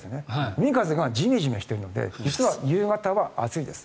海風がジメジメしているので実は夕方は暑いです。